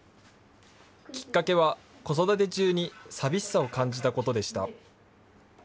きっかけは、子育て中に寂しさを感じたことでした。